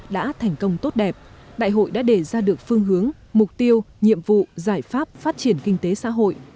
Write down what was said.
đã thành công tốt đẹp đại hội đã đề ra được phương hướng mục tiêu nhiệm vụ giải pháp phát triển kinh tế xã hội